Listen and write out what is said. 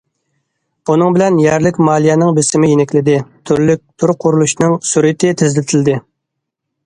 بۇنىڭ بىلەن يەرلىك مالىيەنىڭ بېسىمى يېنىكلىدى، تۈرلۈك تۈر قۇرۇلۇشىنىڭ سۈرئىتى تېزلىتىلدى.